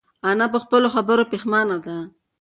انا په خپلو خبرو پښېمانه ده.